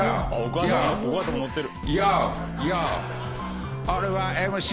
お母さんもノってる。